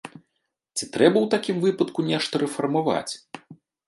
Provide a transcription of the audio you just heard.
Ці трэба ў такім выпадку нешта рэфармаваць?